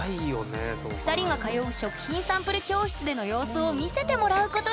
２人が通う食品サンプル教室での様子を見せてもらうことに！